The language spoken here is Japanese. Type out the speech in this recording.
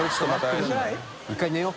１回寝よう。